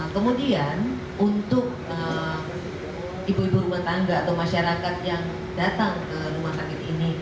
kemudian untuk ibu ibu rumah tangga atau masyarakat yang datang ke rumah sakit ini